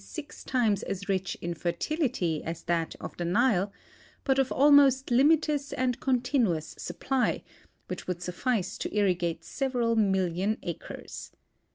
x times as rich in fertility as that of the Nile, but of almost limitless and continuous supply, which would suffice to irrigate several million acres.